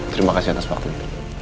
terima kasih atas waktu itu